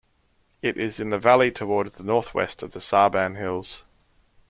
It is in the valley toward the north-west of the Sarban Hills.